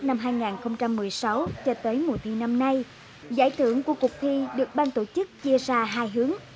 năm hai nghìn một mươi sáu cho tới mùa thi năm nay giải thưởng của cuộc thi được ban tổ chức chia ra hai hướng